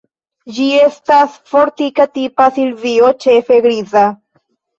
Ĝi estas fortika tipa silvio, ĉefe griza.